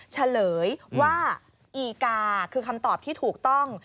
เฉลยว่าอีกาคือคำตอบที่ถูกต้อง